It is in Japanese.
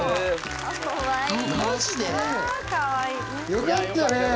よかったね！